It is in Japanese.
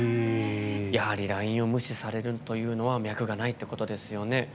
やはり、ＬＩＮＥを無視されるというのは脈がないってことですよね。